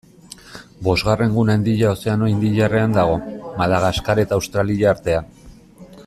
Bosgarren gune handia Ozeano Indiarrean dago, Madagaskar eta Australia artean.